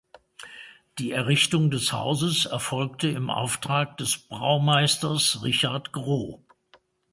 Die Errichtung des Hauses erfolgte im Auftrag des Braumeisters Richard Groh.